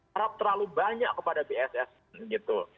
harap terlalu banyak kepada bss gitu